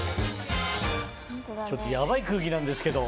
ちょっとやばい空気なんですけど。